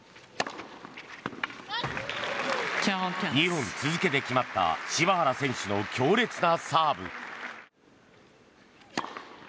２本続けて決まった柴原選手の強烈なサーブ。